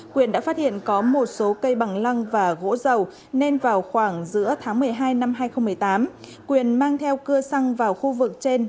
quyền đã phát hiện có một số cây bằng lăng và gỗ dầu nên vào khoảng giữa tháng một mươi hai năm hai nghìn một mươi tám quyền mang theo cưa xăng vào khu vực trên